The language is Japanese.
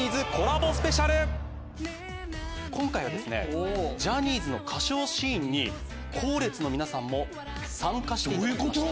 今回はジャニーズの歌唱シーンに後列の皆さんも参加していただきました。